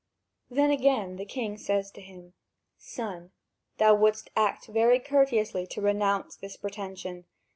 Then again the king says to him: "Son, thou wouldst act very courteously to renounce this pretension.